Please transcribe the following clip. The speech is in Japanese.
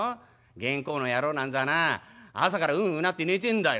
げん公の野郎なんざな朝からうううなって寝てんだよ」。